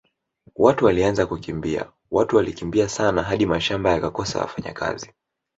Watu walianza kukimbia watu walikimbia sana hadi mashamba yakakosa wafanyakazi